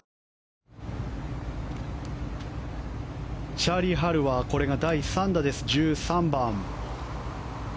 チャーリー・ハルはこれが第３打です、１３番。